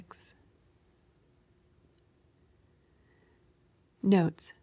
Notes.